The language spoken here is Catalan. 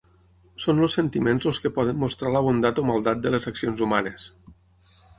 Són els sentiments els que poden mostrar la bondat o maldat de les accions humanes.